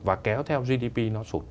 và kéo theo gdp nó sụt